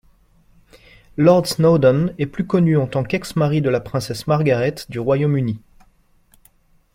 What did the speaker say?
Lord Snowdon est plus connu en tant qu'ex-mari de la princesse Margaret du Royaume-Uni.